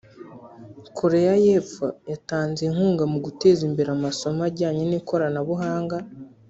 Koreya y’Epfo yatanze inkunga mu guteza imbere amasomo ajyanye n’ikoranabuhanga